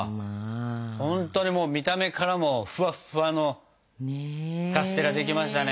ほんとにもう見た目からもフワッフワのカステラできましたね。